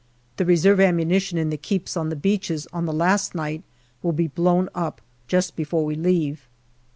The reserve ammunition in the keeps on the beaches on the last night will be blown up just before we leave.